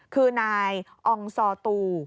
คือนายอองซอตู